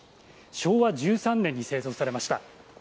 昭和１３年に製造されました。